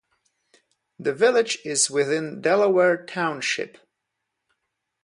The village is within Delaware Township.